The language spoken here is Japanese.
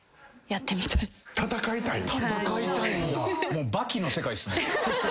もう『バキ』の世界っすね。